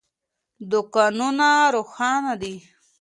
دوکانونه روښانه دي.